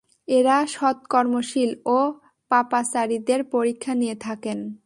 এরা সৎকর্মশীল ও পাপাচারীদের পরীক্ষা নিয়ে থাকেন।